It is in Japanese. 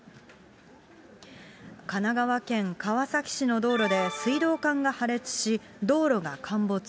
神奈川県川崎市の道路で水道管が破裂し、道路が陥没。